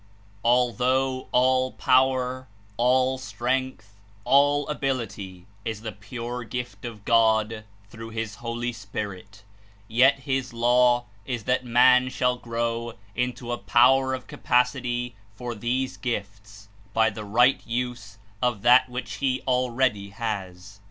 Although all power, all strength, all ability Is the pure gift of God through his Holy Spirit, yet his law is that man shall grow into a power of capacity for these gifts by the right use of that which he al ready has.